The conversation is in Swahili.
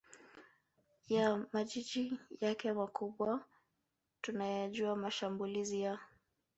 ya majiji yake makubwa Tunayajua mashambulizi ya